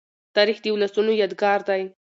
تاریخ د ولسونو یادګار دی.